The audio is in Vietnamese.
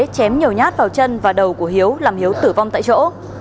chém nhiều nhát vào chân và đầu của hiếu làm hiếu tử vong tại chỗ